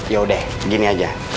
yaudah gini aja